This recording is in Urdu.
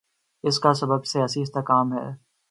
اس کا سبب سیاسی استحکام ہے۔